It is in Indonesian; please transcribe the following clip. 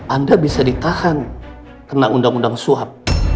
anda bisa ditahan kena undang undang suap